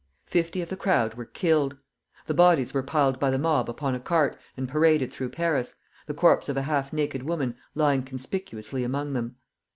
Fifty of the crowd were killed. The bodies were piled by the mob upon a cart and paraded through Paris, the corpse of a half naked woman lying conspicuously among them.